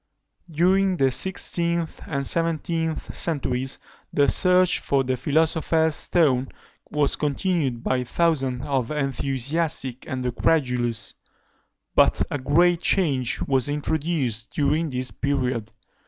During the sixteenth and seventeenth centuries, the search for the philosopher's stone was continued by thousands of the enthusiastic and the credulous; but a great change was introduced during this period.